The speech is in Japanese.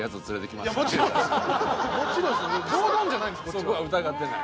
そこは疑ってない。